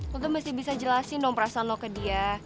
lo tuh mesti bisa jelasin dong perasaan lo ke dia